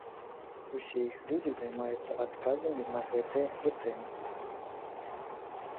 Усе іх людзі займаюцца адказамі на гэтыя прэтэнзіі.